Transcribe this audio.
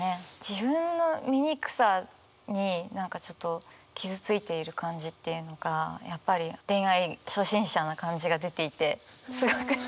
自分の醜さに何かちょっと傷ついている感じっていうのがやっぱり恋愛初心者な感じが出ていてすごく。